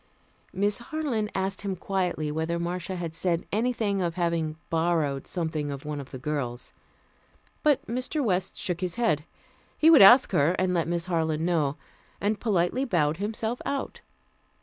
Miss Harland asked him quietly whether Marcia had said anything of having borrowed something of one of the girls. But Mr. West shook his head. He would ask her, and let Miss Harland know; and politely bowed himself out.